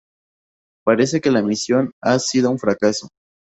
Parece que la misión ha sido un fracaso.